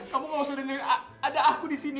kamu gak usah dengerin ada aku di sini